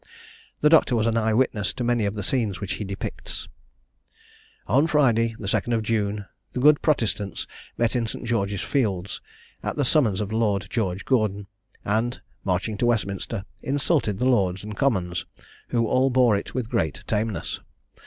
The doctor was an eye witness to many of the scenes which he depicts: "On Friday, the 2d of June, the good Protestants met in St. George's Fields, at the summons of Lord George Gordon, and, marching to Westminster, insulted the Lords and Commons, who all bore it with great tameness.